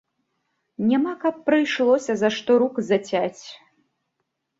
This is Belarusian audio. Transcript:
Няма, каб прыйшлося, за што рук зацяць.